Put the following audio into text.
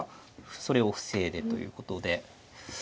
それを防いでということで。